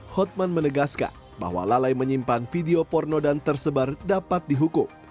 hotman menegaskan bahwa lalai menyimpan video porno dan tersebar dapat dihukum